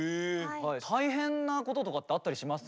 大変なこととかってあったりします？